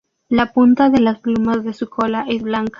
La punta de las plumas de su cola es blanca.